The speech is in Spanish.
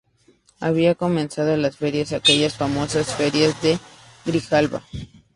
habían comenzado las ferias, aquellas famosas ferias de Grijalba